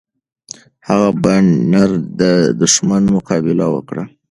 هغه په نره د دښمن مقابله وکړه.